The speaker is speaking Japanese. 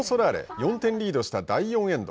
４点リードした第４エンド。